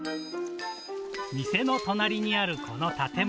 店の隣にあるこの建物。